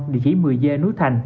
địa chỉ một mươi d núi thành